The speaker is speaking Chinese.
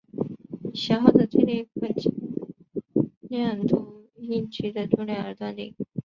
已消耗的电力可经过量度阴极的重量而断定。